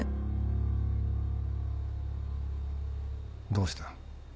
どうした？